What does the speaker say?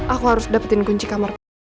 aku harus dapetin kunci kamarku